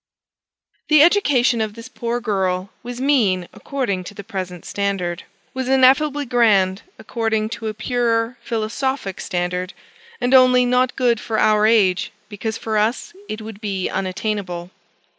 The education of this poor girl was mean according to the present standard: was ineffably grand, according to a purer philosophic standard; and only not good for our age, because for us it would be unattainable.